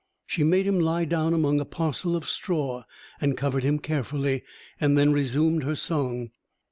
She made him lie down among a parcel of straw, and covered him carefully; and then resumed her song.